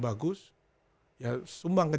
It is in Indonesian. bagus ya sumbang ke